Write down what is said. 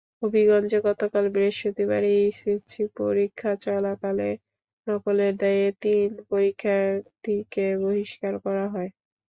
হবিগঞ্জে গতকাল বৃহস্পতিবার এইচএসসি পরীক্ষা চলাকালে নকলের দায়ে তিন পরীক্ষার্থীকে বহিষ্কার করা হয়।